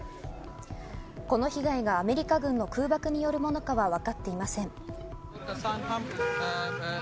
この被害がアメリカ軍の空爆によるものかは分かっていません。